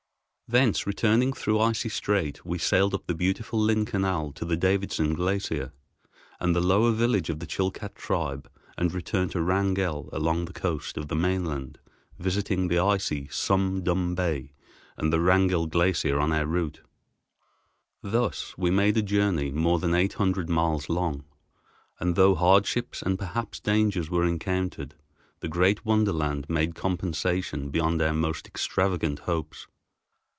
Thence returning through Icy Strait, we sailed up the beautiful Lynn Canal to the Davidson Glacier and the lower village of the Chilcat tribe and returned to Wrangell along the coast of the mainland, visiting the icy Sum Dum Bay and the Wrangell Glacier on our route. Thus we made a journey more than eight hundred miles long, and though hardships and perhaps dangers were encountered, the great wonderland made compensation beyond our most extravagant hopes.